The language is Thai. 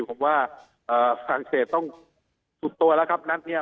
ผมว่าฝรั่งเศสต้องสุดตัวแล้วครับนัดนี้